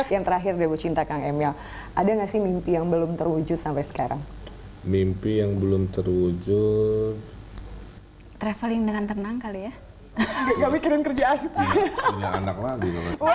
yang terakhir deh bu cinta kak emil ada gak sih mimpi yang belum terwujud sampai sekarang mimpi yang belum terwujud traveling dengan tenang kali ya gak mikirin kerjaan punya anak lagi